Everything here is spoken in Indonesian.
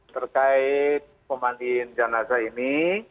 terkait pemandian jenazah ini